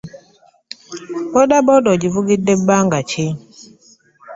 Boodabooda ogivugidde bbanga ki?